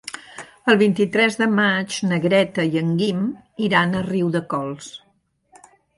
El vint-i-tres de maig na Greta i en Guim iran a Riudecols.